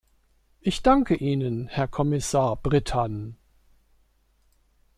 Ich danke Ihnen, Herr Kommissar Brittan.